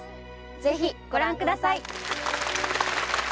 ぜひご覧ください